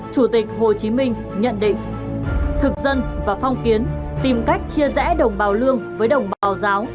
chủ tịch hồ chí minh nhận định thực dân và phong kiến tìm cách chia rẽ đồng bào lương với đồng bào giáo